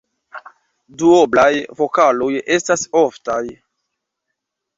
Duoblaj vokaloj estas oftaj.